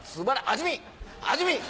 味見！